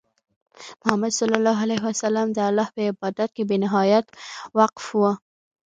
محمد صلى الله عليه وسلم د الله په عبادت کې بې نهایت وقف وو.